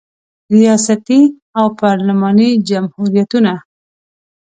ریاستي او پارلماني جمهوریتونه